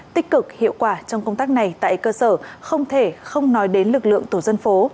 tích cực hiệu quả trong công tác này tại cơ sở không thể không nói đến lực lượng tổ dân phố